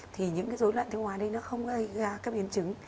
thì những dối loạn tiêu hóa này không gây ra các biến chứng